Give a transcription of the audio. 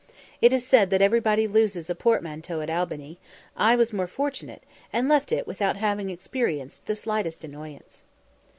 It is said that everybody loses a portmanteau at Albany: I was more fortunate, and left it without having experienced the slightest annoyance.